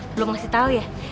belum ngasih tau ya